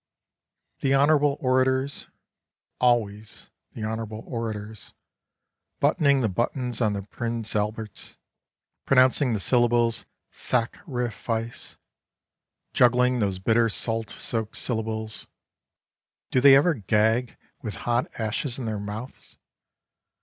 26 And So To day The honorable orators, Always the honorable orators, Buttoning the buttons on their prinz alberts, Pronouncing the syllables " sac ri fice," Juggling those bitter salt soaked syllables — Do they ever gag with hot ashes in their mouths?